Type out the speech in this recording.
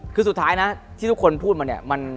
คือสุดท้ายนะที่ทุกคนพูดมาเนี่ย